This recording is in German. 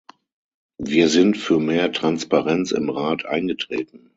Wir sind für mehr Transparenz im Rat eingetreten.